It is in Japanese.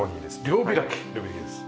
両開きです。